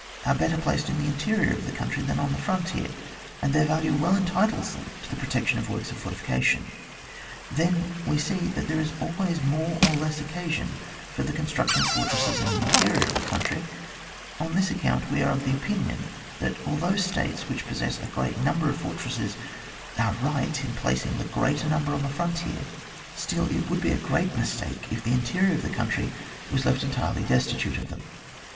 are better placed in the interior of the country than on the fron tier, and their value well entitles them to the protection of works of fortification ; then we see that there is always more or less occasion for the construction of for tresses in the interior of a country ; on this account we are of opinion, that al though states which possess a great num ber of fortresses are right in placing the greater number on the frontier, still it would be a great mistake if the interior of the country was left entirely destitute of them.